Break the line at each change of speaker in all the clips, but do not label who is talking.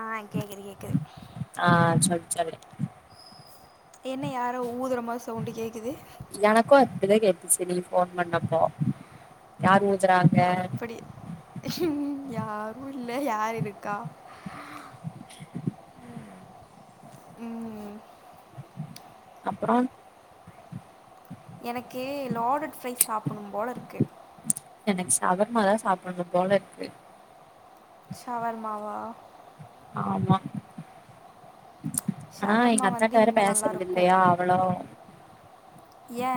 ஆ கேக்குது கேக்கு
ஆ சொல்லு சொல்லு
என்ன யாரோ ஊதுற மார் சவுண்ட் கேக்குது
செரி போன் பண்ணப்போ யாரு
அப்பிடி யா உள்ள யார் இருக்கா உம்
அப்பறோ
எனக் லடோட் ஃப்ரைஸ் சாப்பணும் போல இருக்கு
எனக் சவர்மா தா சாப்புன்னு போல இருக்கு
சவர்மா வா
ஆமா அனா எங்
ஷவர்மா
அத்தாட்ட
வந்து
வேற
இங்கே
பேஸ்றது
நல்லாயிருக்கும்
இல்லயா அவளோ
ஏ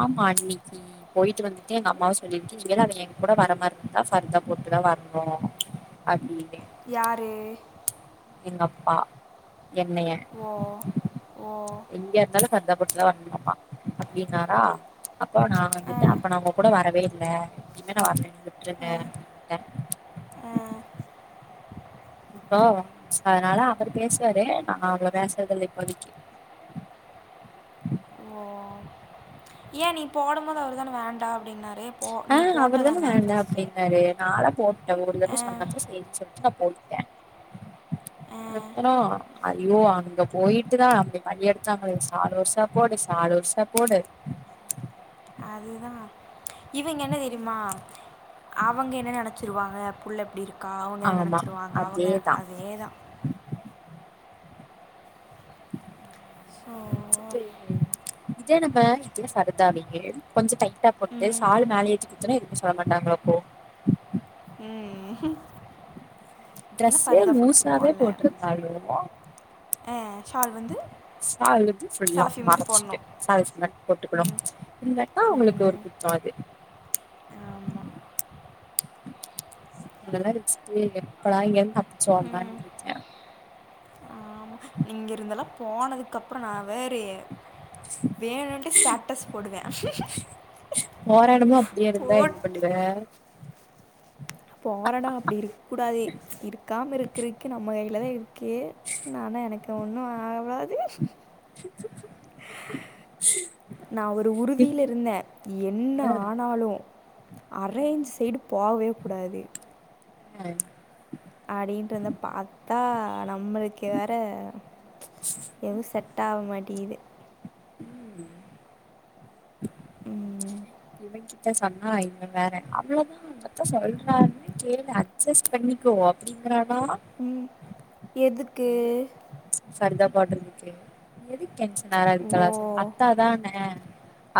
ஆமா அன்னிக்கீ போயிட்டு வந்துட்டு எங்க அம்மாவு சொல்லிருக்கி நீ இங்க தா அவ எங் கூட வர மா இருந்தா ஃபர்தா போட்டுதா வர்ணூ அப்டி
யாரூ
உங்கப்பா என்னெய
ஓ ஓ
எங்க இருந்தாலு ஃபார்தப் போட்டு தா வர்னும்மா அப்பிடீன் நாரா அப்போ நா
ஆ
வந்துட் அப்போ நா உங்க கூட வரவே இல்ல இங்கன வாங்குநேனே
ஆ ஆ
ப்போ ம்ச் அதனால அவுரு பேசுவாரு நா அவ்ளோ பேசுரதில்ல இப்பொதிக்கு
ஓ ஏ நி போடும் போது அவர்தானே வேண்டா
ஆ அவுருதானே வேண்டா
ஃபஸ்ட்டு
அப்டின்னாரு நாலா போட்டே ஒரு தடவ
ஆ
சொன்னப்ப சேரி சொல்ட்டு நா போட்
ஆ
அப்புறோ ஐய்யோ அங்க போயிட்டு தா அப்டி பன்னி எடுத்தாங்கலெ நாலு வர்சோ போடு நாலு வருசொ போடு
அதுதா இவிங்கெ என்ன தெரிம்மா அவங்கெ என்ன நெனச்சிருவாங்க புல் எப்டி இருக் க்கா அவுங்கென்ன
ஆமா
நெனச்சிருவாங்க அவுங்கெ
அதேதா
அதே தா ஸோ
இவங்கள வெச்சிட்டு இதே நம்ம இதே சார்த அன்னிக்கு கொஞ்சு டைம் ட்டா போட்டு
ம்
சாலு மேலியே தூக்கி த்தன எதுமே சொல்லமாட்டங்களா அப்போ
உம்
ட்ரெஸ்ஸே லூஸாவே போட்டுருந்தாலு
ஆ ஷால் வந்து
சாலுங்குருது ஃபுல்லா
சலஃபி மாதி
மறைச்சிட்டு
போடணும்.
[unintelligible] மாதிரி போட்டுக்கணு இதத்தா உங்களுக்கு ஒரு குத்தோ அது
ஆமா,
[unintelligible] எப்படா இங்கிருந்து [unintelligible] சொன்னான்டுருக்க
நீங்க இருந்தெல்லா போனதுக்கு அப்புறோ நா வேற ஏ வேணுன்டே ஸ்டேட்டஸ் போடுவே
போற எடமு அப்டியே இருந்தா என்ன
போட்டு
பண்ணுவ
போரேடோ அப்படி இருக்கூடாது இருக்காம இருக்கிறதுக்கு நம்ம கைல தா ஓக்கே நானா எனக்கு ஒண்ணு ஆவாது
[inaudible]
நா ஒரு உறுதியில இருந்தே என்ன ஆனாலு அரேஞ்சு சைடு போவே கூடாது
ஆ
அப்டின்றந்த பாத்தா நம் நம்மளுக்கு வேற ம்ச் எதுவு செட் ஆவ மாட்டீகுது
ம்
உம்
இவன் கிட்ட சொன்னா இவ வேற அவ்வளோதா மச்சா சொல்றாருல்ல கேளு அட்ஜஸ் பண்ணிக்கோ அப்படிங்குறாரு
உம் எதுக்கு
ஃபரிதா போடுரதுக்கு எதுக்கேன் நாலதுச்
ஓ
நல்லாசு அத்தா தானே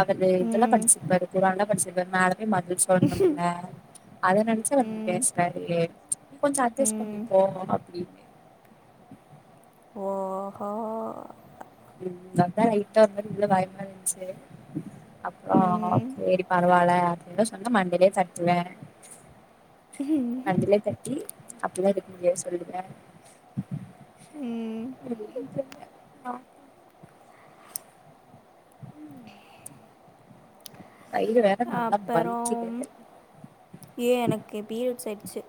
அவது இதெல்லா
ம்
படிச்சிர [unintelligible] படிகுரான்ல படிச்சு ப் மேடம் மதள் சொன்ணுங்க அத நெனச்சா வந்து பேசுறாரு லேட் கொஞ்சம் அட்ஜஸ்
ம்
பண்ணிபோம் அப்டின்னு
ஓஹா
உ அதான் லைட்டாஓரு மாரிஉள்ள பயமா இருந்துச்சு அப்றோம்
ம்
செரி பரவாயில்ல ன சொன்னா மண்டிலயே தட்டுவே ண்டலே தட்டி அப்படிலாம் இத ஏ சொல்விங்க ஆ உம்
அப்பறம் ஏன் எனக்கு [unintelligible] ட்சு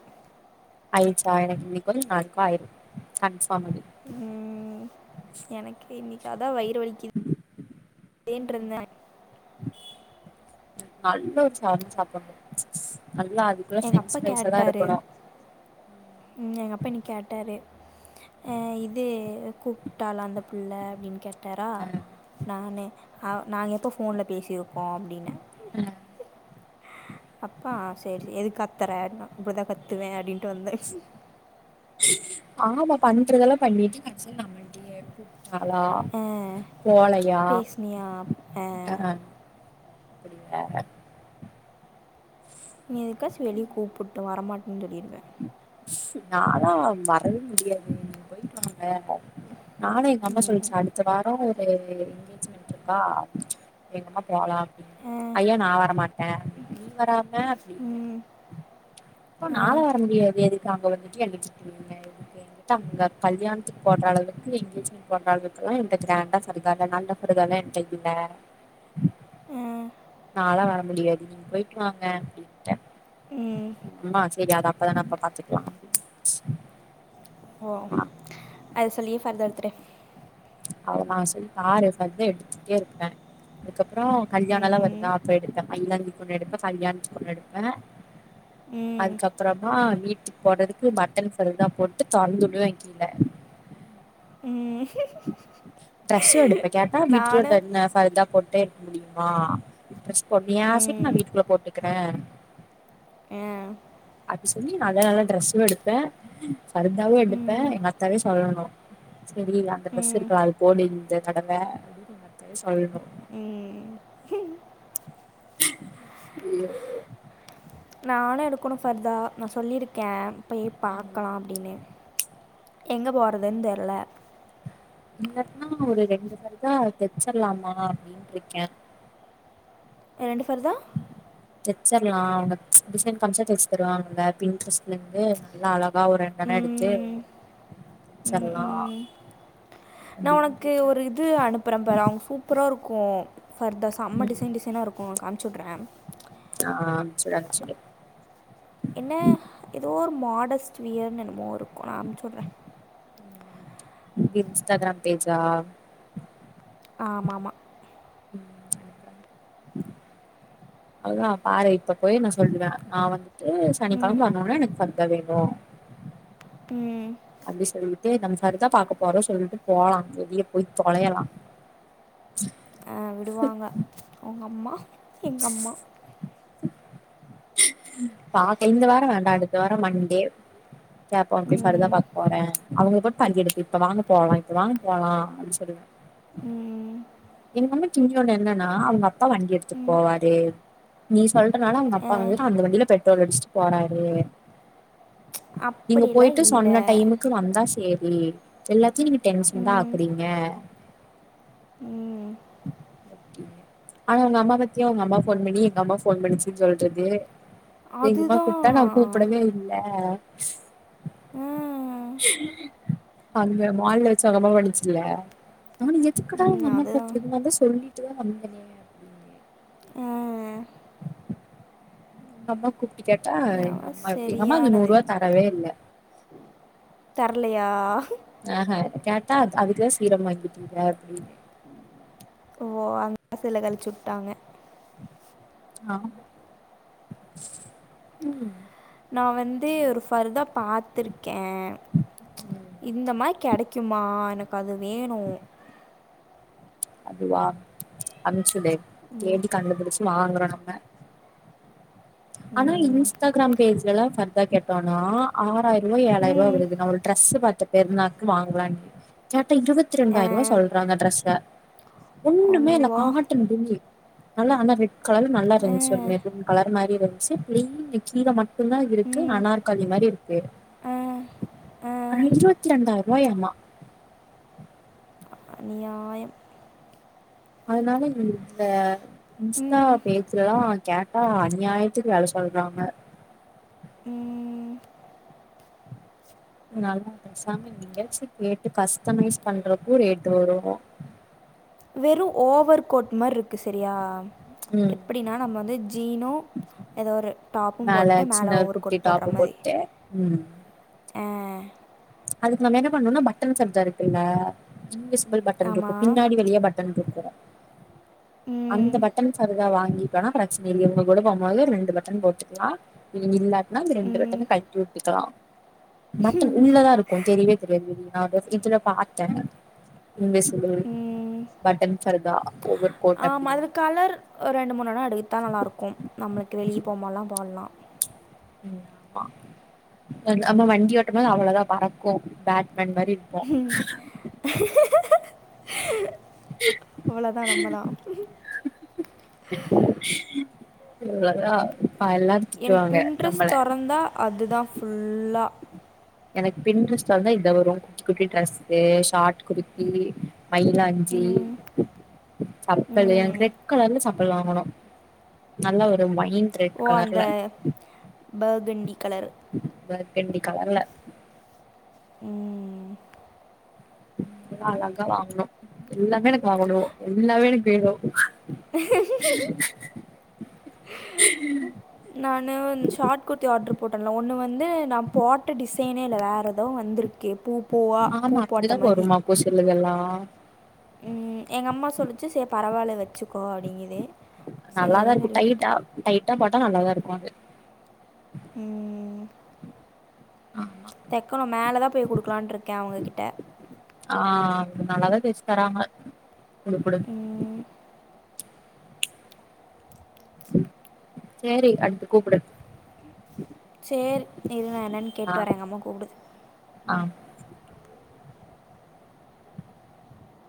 ஐன்சா என்க் இன்க் [unintelligible]
உம் எனக்கே இன்னைக்கு அதான் வய்ர் வைதலிக்து நீன்டுருந்தென்
நல்ல ஒரு சாதம் சாப்பண்ணும்
எங்க அப்பா கேட்டாரு உம் எங்க அப்பா இன்னைக்கு கேட்டாரு அஹ் இது கூப்ட்டாலா அந்த புள்ள அப்டின்னு கேட் தரா
அ
நானே அ வ நாங்க எப்போ போன்ல பேசிரு ப்போம் அப்டினு அப்பா சேரி எதுக் கத்தற அப்புதன் கத்துவேன் அப்படின்னு வந்து
ஆமா பண்றதெல்லாம் பண்ணிட்டு நாலா
அஹ்,
போலையா
பேசுனியா
அஹ் அப்படியா
நீ எதுக்காச்சி வெளிய கூப்பிட்டு வரமாட் [unintelligible] தல்லிருவே
நாலான் வரவே முடியாது நீங்க போயிட்டு வாங்க நானும் எங்க அம்மா சொல்லிச்சு அடுத்த வார ஹ சாப்டிய்யா
ஓ
ஐயோ நான் வரமாட்டேன் எங்கட அவேன் அப்போ நா எல்லா வர முடியாது எதுக்கு அங்க வந்துட்டு எந்திற்சி திரும்ப எதுக்கு அங்க கல்யாணத்துக்கு போடுற அளவுக்கு எங்கஜெமென்ட் போடுற அளவுக்கு எல்லா என்கிட்ட கிரான்ட்டா சல்வார் எல்லா இல்ல பார்தா எல்லா எண்ட இல்ல நாலா வர முடியாது நீங்க போயிட்டு வாங்க அப்டின்ட்ட அம்மா செரி அது அபோதான அப்போ பாத்துக்கலாம்
ஓ அது சொல்லியே ஃபார்த் எடுத்துட்ட
அவளோ தா அதா சொல்லி நா ஃபாருதா எடுத்துட்டே இருப்பே அதுக்கப்புறம் கல்யாணம் லா
ம்,
வருதா அப்போ எடுப்ப ஐழந்துக்கு ஒண்ணு எடுப்ப கல்யாணத்துக்கு ஒண்ணு எடுப்ப
ம்,
அதுக்கப்பறமா வீட்டுக்கு போடுறதுக்கு பட்டன் பர்தா போட்டு [unintelligible]
ம்
டிரஸ்சும் எடுப்ப கேட்டா வீட்டுலா
நானும்
என்ன பர்தா போட் கேக்க முடியுமா டிரஸ் போடுவையா செரி நா
ம்,
வீட்டு குள்ள போட்டுகிறே
ஆ,
அப்படி சொல்லி நல்ல நல்ல ட்ரெஸ்ஸும் எடுப்பே ப பார்தாவும் எடுப்பே
ம்,
எங்க அத்தாவே சொல்லணும் சரி அந்த ட்ரெஸ்
ம்,
இருக்கலா அது போடு இந்த தடவ அப்படின்னு எங்க அத்தாவே சொல்லணு
ம்.
ஐயோ
நானு எடுக்கணு பர்தா நா சொல்லிருக் கேம்ப்பயி
ம்
பாக்கலா அப்டின்னு எங்க போறதுன் தெர்ல
இல்லன்னா ஒரு ரெண்டு [inaudible] தெச்சர்லாமா அப்டின்ருக்கே
எ ரெண்டு ஃபர்தா
தெச்சிர்லா அங்க டிசைன் [unintelligible] தச்சு தருவாங்க பின்ட்ரெஸ்ட்லேந்து நல்லா அழகா ஒரு ரெண்டெண எடுத்து
ம்,
தச்சர்லா
நா ஒனக்கு ஒரு இது அனுப்பும் பாரு அவ்ங்க சூப்பரா இருக் கு ஃபர்தா சம்ம
ம்
டிசைன் டிசைனா இருக்கு ஒனக்கு அம்சுட்ர
அம்சுடு அம்சுடு
என்ன ஏதோ ஒரு மாடஸ்ட் வியர்னு என்னமோ இருக்கு நா அம்சுட்ர
இன்ஸ்டாகிராம் பேஜா
ஆமாமா
[inaudible] அதா பாரு இப்ப போய் நா சொல்லுவ நா வந்துட்டு சனிக்கெழம ஆனோனே எனக்கு ஃபர்தா வேணு அப்டி சொல்லிட்டு நம்ம ஃபர்தா பாக்க போறோ சொல்ட்டு போலா வெளிய போய் தொலையலா
டுவாங்க உங்க அம்மா எங்கம்மா
பாக்க இந்த வாரொ வேண்டா அடுத்த வாரொ மண்டே கேப்போ இப்ப போய் ஃபர்தா
ம்,
பாக்க போற அவ்ங்களைய போட் பந்தி எடுத்து இப்ப வாங்க போகலா இப்ப வாங்க போலா அப்டின் சொல்லுவ
ம்,
[unintelligible] என்னன்னா அவ்ங்க அப்பா வண்டி எடுத்துட் போவாரு நீ சொல்றனால அவ்ங்க
ஆ,
அப்பா வந்து அந்த வண்டியில பெட்ரோல் அடிச்சுட்டு போறாரு நீங்க
அப்படிலாம்
போயிட்டு
இல்லை
சொன்ன டைமுக்கு வந்தா சே ரி எல்லாத்தியு நீங்க டென்சன்தா
ம்,
ஆக்குறீங்க
ம்,
ஆனா உங்க அம்மா பாத்தியா உங்க அம்மா ஃபோன் பண்ணி எங்கம்மா ஃபோன் பண்ணுச்சுன் சொல்றது எங்கம்மா
அதுதான்
கூப்ட்டா நா கூப்புடவே இல்ல
ஆ, ம்,
அங்க மால்ல வச்சு உங்க அம்மாவ அடிச்சீல்ல எதுக்குதா எங்க அம்மா
அதுதான்
[unintelligible] நாந்தா சொல்லி ட்டுதா வந்தனே அப்டினு
ஆ, ஆ,
உங்கம்மா கூப்டு கேட் ஆ எங்க அம்மா எப்டி எங்க அம்மா அந்த நூறு
சரியானது
ரூபா தரவே இல்ல
தரலையா
ஆஹ கேட்டா அதுக்குதா சீரம் வாங்கிட்டீங்க அப்டின்னு
காசுல கழிச்சுட்டாங்க
ஆ ம்
நா வந்து ஒரு ஃபர்தா பாத்துருக்கே இந்த மாரி கெடைக்குமா எனக்கு அது வேணும்
ஆனா இன்ஸ்டாகிராம் பேஜ்லல்லா ஃபர்தா கேட்டோம்னா ஆறாய்ரூபாய் ஏழாய்ரரூபா
ம்
வருது நம்ம ஒரு டிரெஸ் பாத்தே பெருநாள்க்கு வாங்கலாம்னு கேட்டா இருபத்தி
ஆ
இரண்டாயிர்வா சொல்றாங்க டிரெஸ ஒண்ணுமே இல்ல
அல்லாஹ்
காட்டன் துணி நல்லா ஆனா ரெட் கலர் நல்லா
ஆ
இருந்துச்சு ஒருமெரூன் கலர் மாரி இருந்துச்சு பிளீன் கீழ மட்டும்தா இருக்கு
ம்
அனார்கலி மாரி இருக்கு
ஆ ஆ
இருபத்ரெண்டாயிரூவாயா மா
அநியாயம்
அதனால இந்த இன்ஸ்டா
ம்
பேஜ்லல்லாம் கேட்டா அநியாயத்துக்கு வெல சொல்றாங்க
ம்
அதனால பேசாம எங்கியாச்சும் கேட்டு கஸ்டமைஸ் பண்றகு ரேட்டு வரும்
வெறும் ஓவர் கோட் மார்ருக்கு சரியா
ம்
எப்டின்னா நம்ம வந்து ஜீனும் ஏதோ ஒரு டாப்பும்
மேல
போட்டு மேலே
சின்ன ஒரு
ஓவர்
குட்டி
கோட் போடுற
டாப்பு
மாரி
போட்டு ம்
ஆ
அதுக்கு நம்ம என்ன பண்ணோம்னா பட்டன் ஃப்பர்தா இருக்குல்ல மல் பட்டன் இருக்கும்
ஆமாம்
பின்னாடி வழியா பட்டன் இருக்கும் அந்த
ம்
பட்டன் ஃப்பர்தா வாங்கிட்டோனா பிரச்சன இல்ல இவங்க கூட போம்போது ரெண்டு பட்டன் போட்டுக்கலா இவங்க இல்லாட்டுனா ரெண்டு
ம்
பட்டன் கழட்டி விட்டுக்கலா பட்டன் உள்ளதா இருக்கும் தெரியவே தெரியது வெளில நா இதுல பாத்தே இன்விசிபில் பட்டன் ஃப்பர்தா ஓவர் கோட்
ஆம்
அப்டின்னு
அதில் கலர் ரெண்டு மூணு வேணா எடுத்தா நல்லாருக்கும் நம்மளுக்கு வெளியே போம்போதுலா போட்லாம்
ஆமா நம்ம வண்டி ஓட்டும் போது அவ்வளதா பறக்கு பேட்மேன் மாரி இருப்போம்
அவ்வளதா நம்மதா
சொ [unintelligible]
எனக்கு பின் ட்ரெஸ் தொறந்தா அதுதா ஃபுல்லா
எனக்கு பின் ட்ரெஸ் தொறந்தா இதுதா வரும் குட்டி ட்ரெஸ்சு ஷார்ட் குர்த்தி மயிலாஞ்சி சப்பல் எனக்கு ரெக் கலர்ல சப்பல் வாங்கணு நல்லா ஒரு ஒயின்
ஓ அந்த பர்கண்டி கலரு
வெண்டி கலர்ல
ம்
நல்ல அழகா வாங்கணு எல்லாமே எனக்கு வாங்கணு எல்லாமே எனக்கு வேணு
உஹ
உஹ [inaudible]
நானு ஷார்ட் குர்த்தி ஆர்ட்ரு போட்டன்ல ஒன்னு வந்து நா போட்ட டிசைனே இல்ல வேற ஏதோ வந்துருக்கு பூ பூவாக பூ
ஆமா
போட்ட
அப்டிதா வருமா ஒர் சிலதெல்லா ஆ
ம் எங்கம்மா சொல்லிச்சு சே பரவால்ல வச் சுக்கோ அப்படிங்கிது சேரின் சொல்லி விட்டுட்டே
டா நல்லாதாருக்கூ அது
ம்
ஆமா
தெக்கணூ மேலதா போய் குடுக்கலான்ருக்கே அவங்ககிட்ட
ஆ நல்லாதா தெச்சு தராங்க குடு குடு
ம்,
செரி அடுத்து கூப்புடு
சேரி இரு நா என்னன்
ஆ
கேட்டு வரே எங்கம்மா கூப்டுது
ஆ
ம்